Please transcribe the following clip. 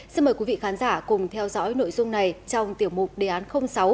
xin mời quý vị khán giả cùng theo dõi nội dung này trong tiểu mục đề án sáu